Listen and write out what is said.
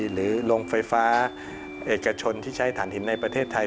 หรือโรงไฟฟ้าเอกชนที่ใช้ฐานหินในประเทศไทย